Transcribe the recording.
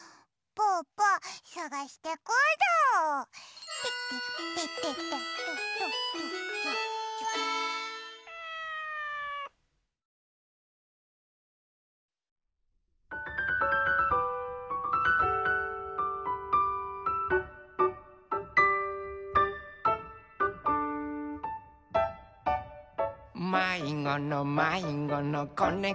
「まいごのまいごのこねこちゃん」